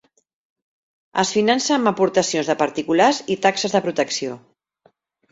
Es finança amb aportacions de particulars i taxes de protecció.